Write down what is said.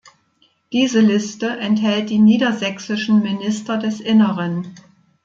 Diese Liste enthält die Niedersächsischen Minister des Inneren.